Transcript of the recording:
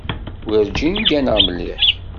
Werǧin gganeɣ mliḥ.